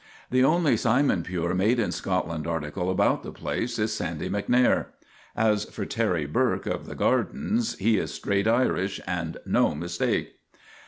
The only Si mon pure, made in Scotland article about the place is Sandy MacNair. As for Terry Burke of the gar dens, he is straight Irish and no mistake.